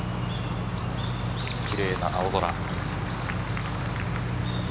きれいな青空。